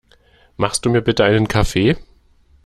Machst du mir bitte einen Kaffee?